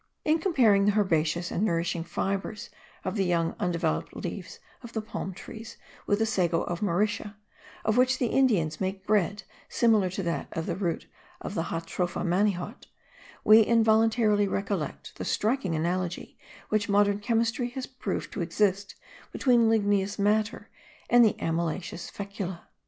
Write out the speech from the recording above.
In comparing the herbaceous and nourishing fibres of the young undeveloped leaves of the palm trees with the sago of the Mauritia, of which the Indians make bread similar to that of the root of the Jatropha manihot, we involuntarily recollect the striking analogy which modern chemistry has proved to exist between ligneous matter and the amylaceous fecula.